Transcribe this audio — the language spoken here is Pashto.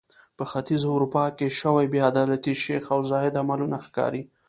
په ختیځه اروپا کې شوې بې عدالتۍ شیخ او زاهد عملونه ښکاري.